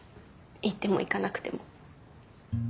行っても行かなくても。